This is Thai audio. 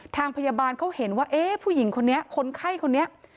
ทางพยาบาลเขาเห็นว่าเอ๊ะผู้หญิงคนนี้คนไข้คนนี้